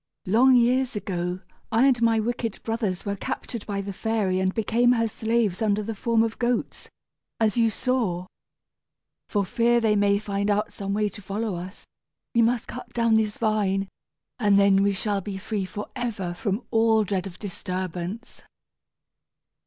"Long years ago I and my wicked brothers were captured by the fairy and became her slaves under the form of goats, as you saw. For fear that they may find out some way to follow us, we must cut down this vine, and then we shall be free forever from all dread of disturbance."